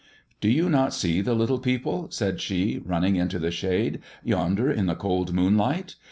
" Do you not see the little people," said she, running into the shade, "yonder in the cold moonlight?